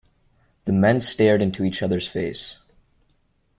The men stared into each other's face.